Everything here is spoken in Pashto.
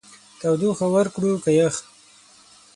تودوخه ورکړو که يخ؟